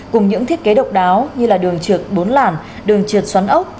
cùng những thiết kế độc đáo như là đường trượt bốn làn đường trượt xoắn ốc